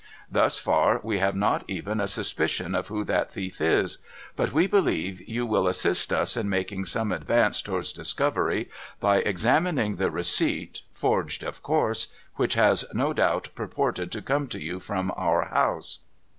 Thus far we have not even a suspicion of who that thief is. But we believe you will assist us in making some advance towards discovery, by examining the receipt (forged, of course) which has no doubt pur ported to come to you from our house.